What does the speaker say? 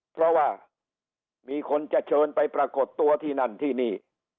เพราะว่ามีคนจะเชิญไปปรากฏตัวที่นั่นที่นี่